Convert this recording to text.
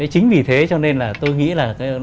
chính vì thế cho nên là tôi nghĩ là